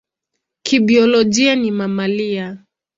Kibiolojia ni mamalia.